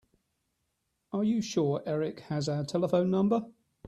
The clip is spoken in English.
Are you sure Erik has our telephone number?